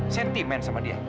sentimen sama dia